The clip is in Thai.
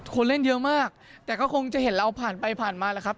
คนเล่นเยอะมากแต่ก็คงจะเห็นเราผ่านไปผ่านมาแล้วครับ